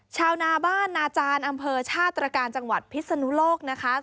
ชาวนาบ้านนาจานอำเภอชาตรกรกพิษนุโลกนะคะ